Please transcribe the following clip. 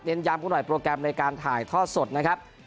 ย้ำกันหน่อยโปรแกรมในการถ่ายทอดสดนะครับ